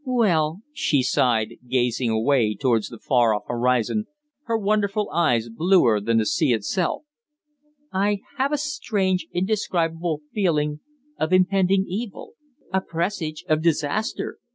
"Well," she sighed, gazing away towards the far off horizon, her wonderful eyes bluer than the sea itself, "I have a strange, indescribable feeling of impending evil a presage of disaster."